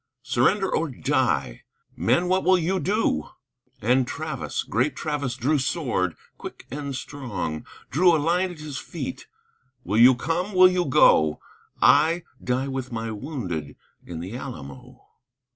"Surrender, or die!" "Men, what will you do?" And Travis, great Travis, drew sword, quick and strong; Drew a line at his feet.... "Will you come? Will you go? I die with my wounded, in the Alamo."